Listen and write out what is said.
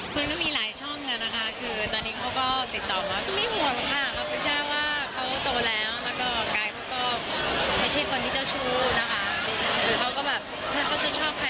คุณก็มีหลายช่องนะคะคือตอนนี้เขาก็ติดต่อมาก็ไม่ห่วงค่ะ